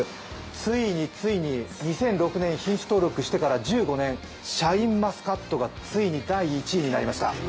ついについに、２００６年品種登録してから１５年、シャインマスカットがついに第１位になりました。